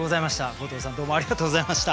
後藤さんどうもありがとうございました。